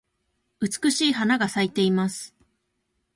美しい花が咲いています。